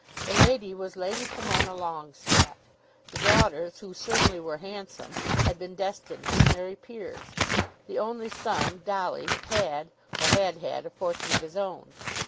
The lady was Lady Pomona Longestaffe. The daughters, who certainly were handsome, had been destined to marry peers. The only son, Dolly, had, or had had, a fortune of his own.